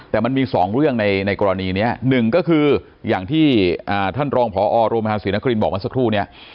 แต่มันมีสองเรื่องในกรณีนี้หนึ่งก็คืออย่างที่ท่านรองพอโรงพยาบาลศรีนครินบอกมาสักครู่เนี่ย